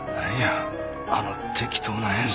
あの適当な演奏。